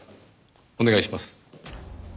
お願いします。